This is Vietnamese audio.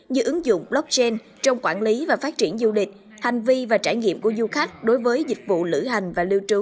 như ứng dụng blockchain trong quản lý và phát triển du lịch hành vi và trải nghiệm của du khách đối với dịch vụ lữ hành và lưu trú